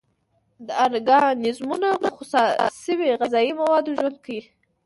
دا ارګانیزمونه په خوسا شوي غذایي موادو ژوند کوي.